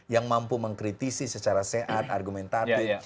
yang mampu mengkritisi secara sehat argumentatif